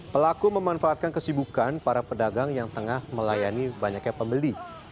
pelaku memanfaatkan kesibukan para pedagang yang tengah melayani banyaknya pembeli